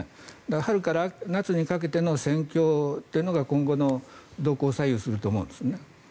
春から夏にかけての戦況というのが今後の動向を左右すると思うんですね。